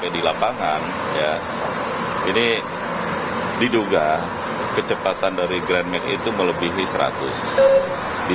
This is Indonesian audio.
dugaan lainnya kecepatan dari grand max itu melebihi seratus km per jam